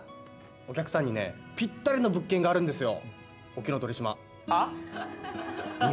お客さんにぴったりの物件があるんですよ。